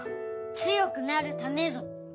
強くなるためぞ。